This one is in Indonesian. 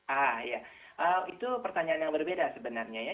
ah ya itu pertanyaan yang berbeda sebenarnya ya